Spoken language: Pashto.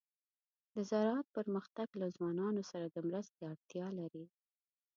د زراعت پرمختګ له ځوانانو سره د مرستې اړتیا لري.